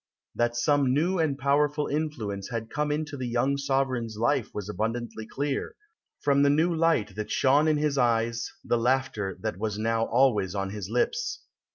That some new and powerful influence had come into the young sovereign's life was abundantly clear, from the new light that shone in his eyes, the laughter that was now always on his lips.